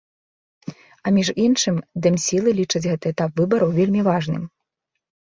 А між іншым, дэмсілы лічаць гэты этап выбараў вельмі важным.